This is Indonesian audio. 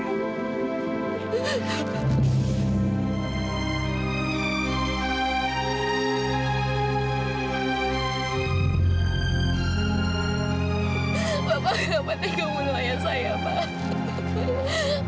bapak kenapa tidak bunuh ayah saya pak